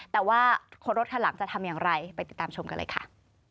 แต่ว่าคนรถคันหลังจะทำอย่างไรไปติดตามชมกันเลยค่ะ